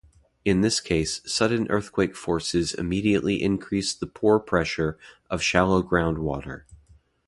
In this case, sudden earthquake forces immediately increase the pore pressure of shallow groundwater.